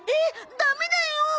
ダメだよ！